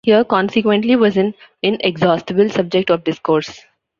Here consequently was an inexhaustible subject of discourse.